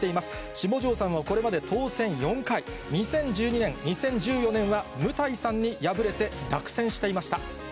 下条さんはこれまで当選４回、２０１２年、２０１４年は務台さんに敗れて落選していました。